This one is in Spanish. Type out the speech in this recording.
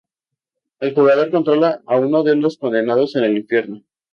El jugador controla a uno de los condenados en el infierno.